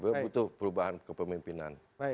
butuh perubahan kepemimpinan